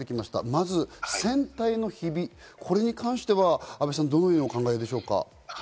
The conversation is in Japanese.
まず船体のヒビ、これに関しては安倍さん、どのようにお考えでしょうか。